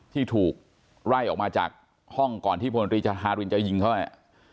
ที่ถูกไล่ออกมาจากห้องก่อนที่พลตรีฮารินจะยิงเขาเนี่ย